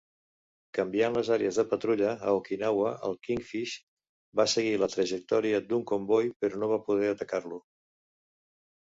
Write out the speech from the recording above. Canviant les àrees de patrulla a Okinawa, el Kingfish va seguir la trajectòria d'un comboi però no va poder atacar-lo.